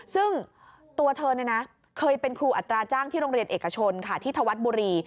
ซึ่งตัวเธอเคยเป็นครูอัตราจ้างที่โรงเรียนเอกชนค่ะที่ธวัฒน์บุรี